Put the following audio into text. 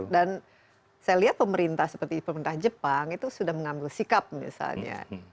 dan saya lihat pemerintah seperti pemerintah jepang itu sudah mengambil sikap misalnya